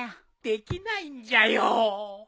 できないんじゃよ。